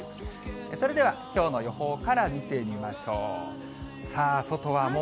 それではきょうの予報から見てみましょう。